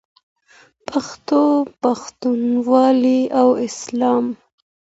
پښتو، پښتونولي او اسلام.